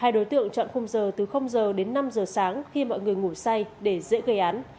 hai đối tượng chọn khung giờ từ giờ đến năm giờ sáng khi mọi người ngủ say để dễ gây án